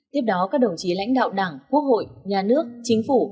tiếp đó các đồng chí lãnh đạo đảng quốc hội nhà nước chính phủ